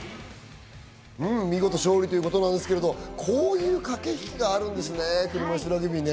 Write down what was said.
見事勝利ということですけど、こういう駆け引きがあるんですね、車いすラグビーね。